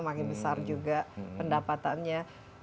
makin besar juga pendapatannya